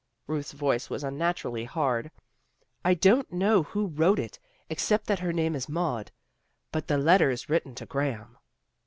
Ruth's voice was unnaturally hard. " I don't know who wrote it, except that her name is Maud, but the letter is written to Graham."